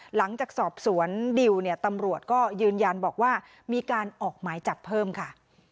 หลังจากสอบสวนดิวเนี่ยตำรวจก็ยืนยันบอกว่ามีการออกหมายจับเพิ่มค่ะ